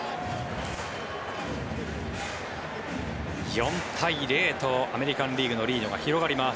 ４対０とアメリカン・リーグのリードが広がります。